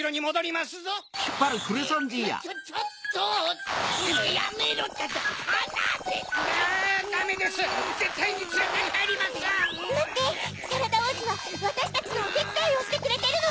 まってサラダおうじはわたしたちのおてつだいをしてくれてるの！